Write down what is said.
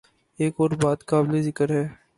ایک اور بات قابل ذکر ہے۔